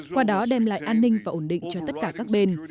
qua đó đem lại an ninh và ổn định cho tất cả các bên